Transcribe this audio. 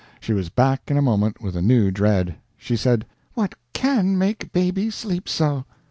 She was back in a moment with a new dread. She said: "What CAN make Baby sleep so?"